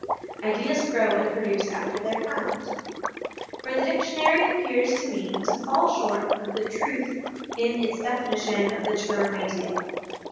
Ideas Grow and Produce after their Kind. For the dictionary appears to me to fall short of the truth in its definition of the term * idea!